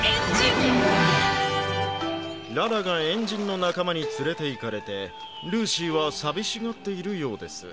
ララがえんじんのなかまにつれていかれてルーシーはさびしがっているようです。